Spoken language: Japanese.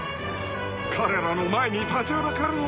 ［彼らの前に立ちはだかるのは］